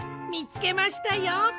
みつけましたよ。